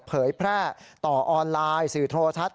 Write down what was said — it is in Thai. เผยแพร่ต่อออนไลน์สื่อโทรทัศน